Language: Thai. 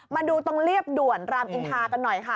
มาดูตรงเรียบด่วนรามอินทากันหน่อยค่ะ